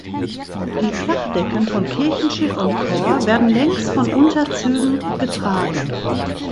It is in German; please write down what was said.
Die Flachdecken von Kirchenschiff und Chor werden längs von Unterzügen getragen.